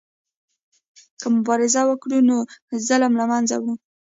که مبارزه وکړو نو ظلم له منځه وړو.